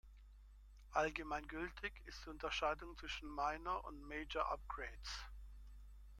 Allgemein gültig ist die Unterscheidung zwischen Minor und Major Upgrades.